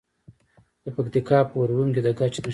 د پکتیکا په ارګون کې د ګچ نښې شته.